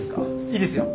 いいですよ。